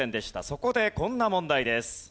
そこでこんな問題です。